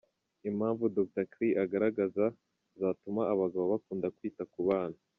Impamvu Dr Kley agaragaza zatuma abagabo bakunda kwita ku bana.